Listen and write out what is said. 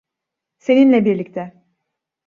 Seninle birlikte.